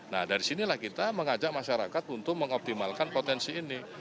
nah dari sinilah kita mengajak masyarakat untuk mengoptimalkan potensi ini